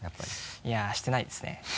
いやしてないですね。